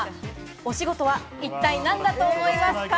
お仕事は一体何だと思いますか？